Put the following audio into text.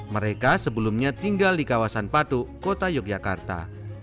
mereka sebelumnya tinggal di kawasan patu kota yogyakarta